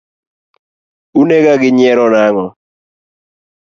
Unega gi nyiero nang’o?